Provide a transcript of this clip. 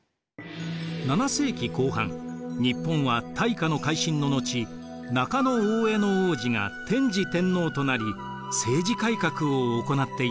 ７世紀後半日本は大化の改新の後中大兄皇子が天智天皇となり政治改革を行っていました。